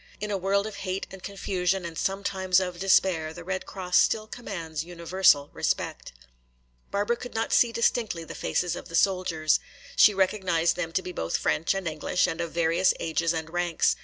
In a world of hate and confusion and sometimes of despair the Red Cross still commands universal respect. Barbara could not see distinctly the faces of the soldiers. She recognized them to be both French and English and of various ages and ranks.